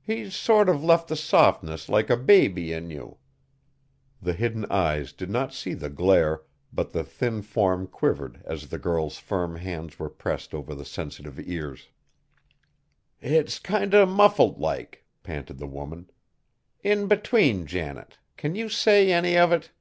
He's sort o' left the softness like a baby in you." The hidden eyes did not see the glare, but the thin form quivered as the girl's firm hands were pressed over the sensitive ears. "It's kinder muffled like," panted the woman. "In between, Janet, can you say any of it?"